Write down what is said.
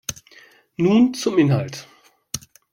Nun zum Inhalt.